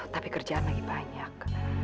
tapi kerjaan lagi banyak